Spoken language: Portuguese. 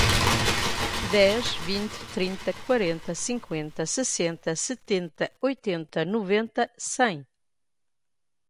dez, vinte, trinta, quarenta, cinquenta, sessenta, setenta, oitenta, noventa, cem.